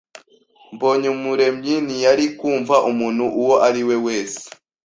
Mbonyumuremyi ntiyari kumva umuntu uwo ari we wese.